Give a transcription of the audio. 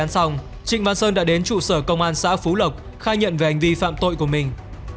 công an xã phú lộc khai nhận về ảnh vi phạm tội của mình